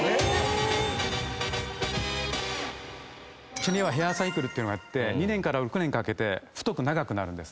毛にはヘアサイクルがあって２年から６年かけて太く長くなるんです。